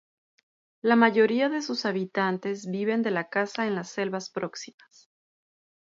La mayoría de sus habitantes viven de la caza en las selvas próximas.